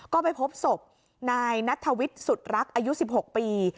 ก็ไปพบศพนายนัทวิทย์สุดรักอายุ๑๖ปี